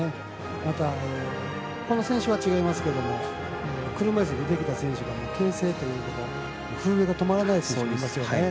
また、この選手は違いますけど車いすで出てきた選手が震えが止まらない選手もいますよね。